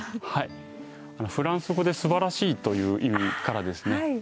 フランス語で「素晴らしい」という意味からですね